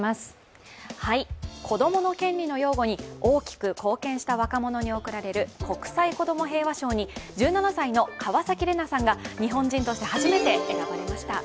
子供の権利の擁護に大きく貢献した若者に贈られる国際子ども平和賞に１７歳の川崎レナさんが日本人として初めて選ばれました。